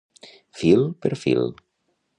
Fil per fil.